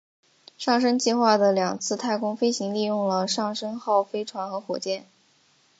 上升计划的两次太空飞行利用了上升号飞船和火箭。